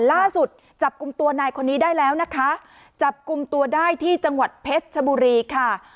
ล่าสุดจับกลุ่มตัวนายคนนี้ได้แล้วนะคะจับกลุ่มตัวได้ที่จังหวัดเพชรชบุรีค่ะ